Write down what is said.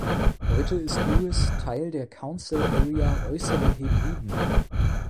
Heute ist Lewis Teil der Council Area Äußere Hebriden.